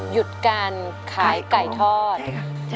หยุดการขายไก่ทอด